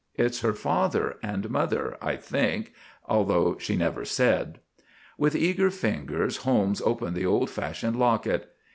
It's her father and mother, I think, although she never said." With eager fingers Holmes opened the old fashioned locket.